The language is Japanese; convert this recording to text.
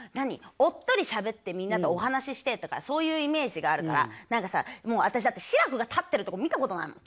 おっとりしゃべってみんなとお話ししてとかそういうイメージがあるから何かさもう私だって志らくが立ってるとこ見たことないもん。